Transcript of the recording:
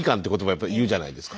やっぱり言うじゃないですか。